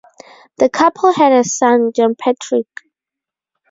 The couple had a son, Jonpatrick.